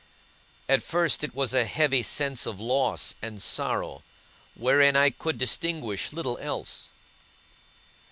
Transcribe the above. At first it was a heavy sense of loss and sorrow, wherein I could distinguish little else.